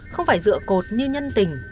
không phải dựa cột như nhân tình